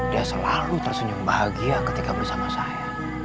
dia selalu tersenyum bahagia ketika bersama saya